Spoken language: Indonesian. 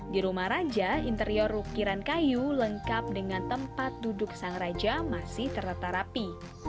di rumah raja interior ukiran kayu lengkap dengan tempat duduk sang raja masih tertata rapi